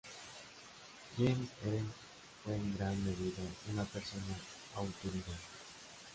James Eads fue en gran medida una persona autodidacta.